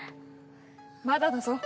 まだだぞ。